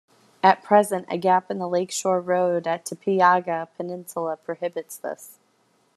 At present a gap in the lake shore road at Tepeyaga peninsula prohibits this.